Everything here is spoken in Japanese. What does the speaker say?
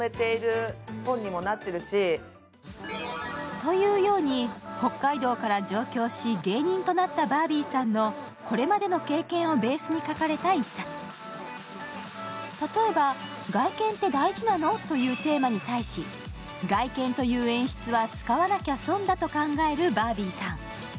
というように、北海道から上京し芸人となったバービーさんのこれまでの経験をベースに書かれた１冊例えば、外見って大事なの？というテーマに対し外見という演出は使わなきゃ損だと考えるバービーさん。